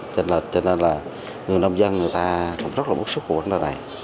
tranh lệch cho nên là người nông dân người ta cũng rất là bức xúc của người ta này